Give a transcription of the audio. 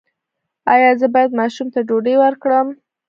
ایا زه باید ماشوم ته ډوډۍ ورکړم؟